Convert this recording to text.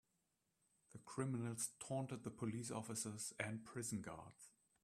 The criminals taunted the police officers and prison guards.